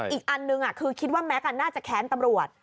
อีกอันนึงคือคิดว่าแม็กซ์น่าจะแค้นตำรวจ